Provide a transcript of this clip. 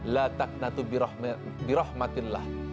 la taknatu birahmatillah